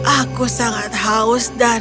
aku sangat haus dan